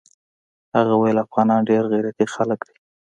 هغه ويل افغانان ډېر غيرتي خلق دي.